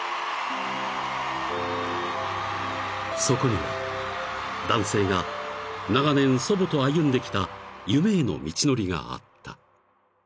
［そこには男性が長年祖母と歩んできた夢への道のりがあった］